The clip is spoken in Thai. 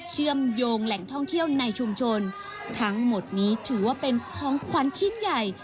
เชื่อมโยงแหล่งท่องเที่ยวในชุมชนทั้งหมดนี้ถือว่าเป็นของขวัญชิ้นใหญ่